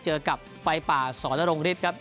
เจอกับไฟป่าสวรรค์และโรงฤทธิ์ครับ